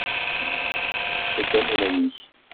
C'était mon ami.